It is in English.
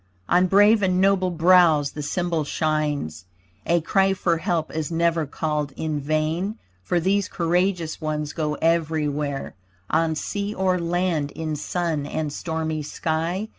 On brave and noble brows the symbol shines. A cry for help is never called in vain, For these courageous ones go everywhere, On sea or land, in sun and stormy sky.